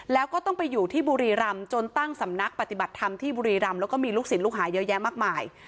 แล้วก็ต้องไปอยู่ที่บุรีรำจนตั้งสำนักปฏิบัติธรรมที่บุรีรำแล้วก็มีลูกศิลปลูกหาเยอะแยะมากมาย